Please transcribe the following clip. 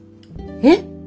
えっ！？